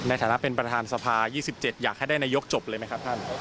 ในฐานะเป็นประธานสภา๒๗อยากให้ได้นายกจบเลยไหมครับท่าน